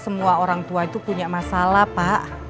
semua orang tua itu punya masalah pak